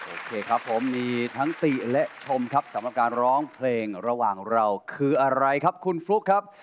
โอเคครับผมมีทั้งติและชมครับสำหรับการร้องเพลงระหว่างเราคืออะไรครับคุณฟลุ๊กครับ